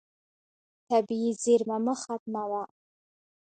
طبیعي زیرمه مه ختموه.